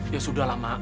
ya sudah lah mak